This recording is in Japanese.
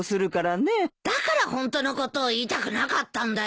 だからホントのことを言いたくなかったんだよ。